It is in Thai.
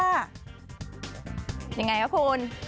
ยังไงครับคุณ